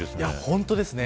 本当ですね。